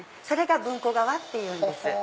それが文庫革っていうんです。